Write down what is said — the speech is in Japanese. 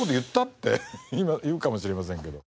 って言うかもしれませんけど。